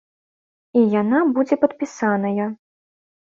І яна будзе падпісаная.